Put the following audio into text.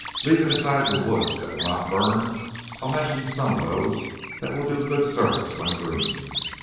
"Leaving aside the woods that will not burn, I'll mention some of those that will do good service when green.